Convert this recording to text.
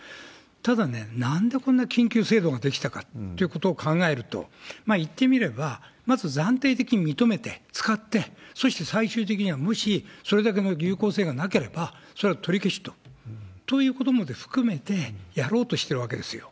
ただね、なんでこんな緊急制度が出来たかってことを考えると、言ってみれば、まず暫定的に認めて使って、そして最終的には、もしそれだけの有効性がなければそれは取り消しと。ということまで含めてやろうとしてるわけですよ。